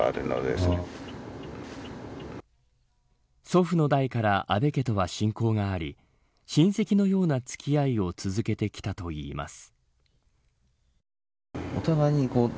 祖父の代から安倍家とは親交があり親戚のような付き合いを続けてきたといいます。